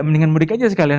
mendingan mudik aja sekalian